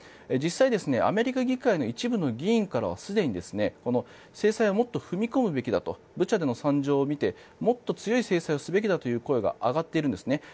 実際、アメリカ議会の一部の議員からはすでに制裁をもっと踏み込むべきだとブチャでの惨状を見てもっと強い制裁をすべきだという声が上がっているんですね。